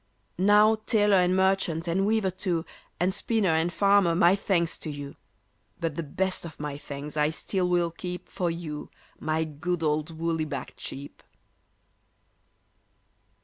"Now tailor and merchant, and weaver, too, And spinner and farmer, my thanks to you! But the best of my thanks I still will keep For you, my good old woolly backed sheep."